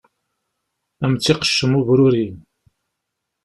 Ad m-tt-iqeccem ubruri.